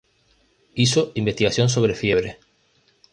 Hizo investigación sobre fiebre.